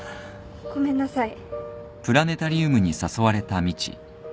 ごめんなさい。